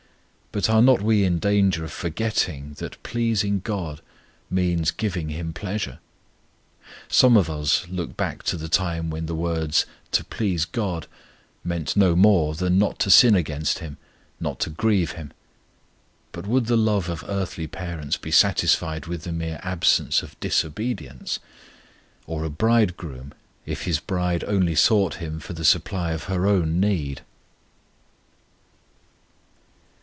But are not we in danger of forgetting that pleasing GOD means giving Him pleasure? Some of us look back to the time when the words "To please GOD" meant no more than not to sin against Him, not to grieve Him; but would the love of earthly parents be satisfied with the mere absence of disobedience? Or a bridegroom, if his bride only sought him for the supply of her own need?